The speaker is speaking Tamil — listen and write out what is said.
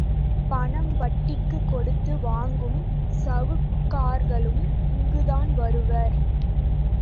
பணம் வட்டிக்குக் கொடுத்து வாங்கும் சவுக்கார்களும் இங்குத்தான் வருவர்.